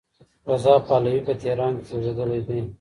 رضا پهلوي په تهران کې زېږېدلی دی.